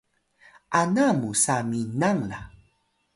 ana musa minang la